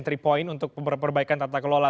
tiga point untuk perbaikan tata kelola